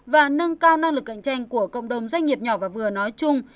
và nâng cao năng lực cạnh tranh của cộng đồng doanh nghiệp nhỏ và vừa nói chung